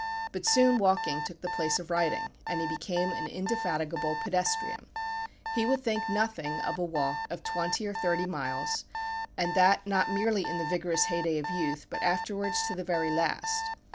But soon walking took the place of riding, and he became an indefatigable pedestrian. He would think nothing of a walk of twenty or thirty miles, and that not merely in the vigorous heyday of youth, but afterwards, to the very last.